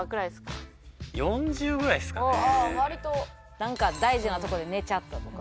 なんか大事なとこで寝ちゃったとか。